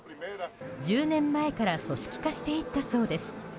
１０年前から組織化していったそうです。